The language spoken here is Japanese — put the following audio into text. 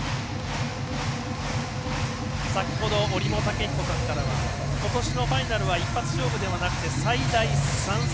先ほど、折茂武彦さんからはことしのファイナルは一発勝負ではなくて最大３戦。